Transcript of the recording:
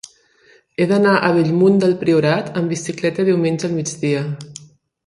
He d'anar a Bellmunt del Priorat amb bicicleta diumenge al migdia.